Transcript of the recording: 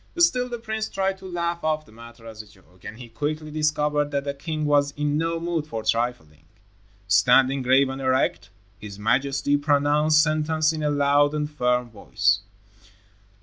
Still the prince tried to laugh off the matter as a joke, but he quickly discovered that the king was in no mood for trifling. Standing grave and erect, his majesty pronounced sentence in a loud and firm voice.